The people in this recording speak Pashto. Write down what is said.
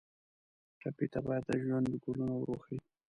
ټپي ته باید د ژوند ګلونه ور وښیو.